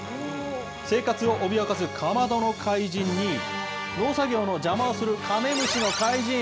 生活を脅かす、カマドの怪人に、農作業の邪魔をするカメムシの怪人。